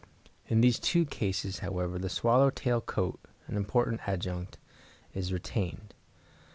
In these two cases, however, the swallow tail coat, an important adjunct, is retained.